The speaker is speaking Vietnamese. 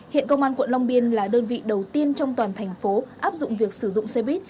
hiện công an quận long biên là đơn vị đầu tiên trong toàn thành phố áp dụng việc sử dụng xe buýt